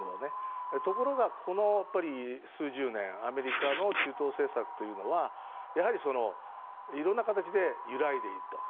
ところが、ここ数十年アメリカの中東政策というのはいろんな形で揺らいでいると。